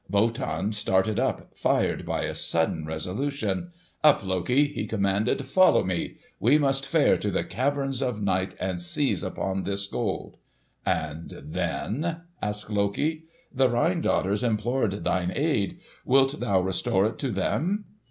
Wotan started up, fired by a sudden resolution. "Up, Loki!" he commanded. "Follow me. We must fare to the caverns of night and seize upon this Gold." "And then——?" asked Loki. "The Rhine Daughters implored thine aid. Wilt thou restore it to them?"